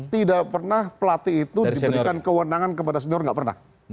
tidak pernah pelatih itu diberikan kewenangan kepada senior tidak pernah